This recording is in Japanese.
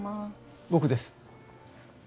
僕です。